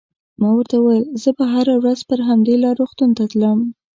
ما ورته وویل: زه به هره ورځ پر همدې لار روغتون ته تلم.